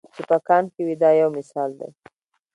چې په کان کې وي دا یو مثال دی.